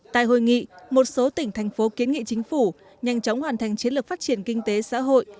tại hội nghị một số tỉnh thành phố kiến nghị chính phủ nhanh chóng hoàn thành chiến lược phát triển kinh tế xã hội